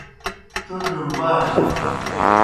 چربِیو گہ بائے۔